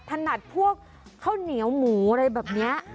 ถนัดพวกข้าวเหนียวหมูอะไรแบบนี้